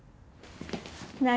何？